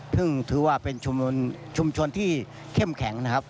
ซึ่งถือว่าเป็นชุมชนที่เข้มแข็งนะครับ